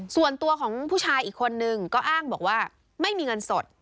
ส่วนตัวของผู้ชายอีกคนนึงก็อ้างบอกว่าไม่มีเงินสด